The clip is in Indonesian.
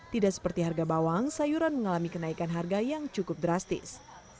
tidak seperti harga bawang sayuran mengalami kenaikan harga yang cukup drastis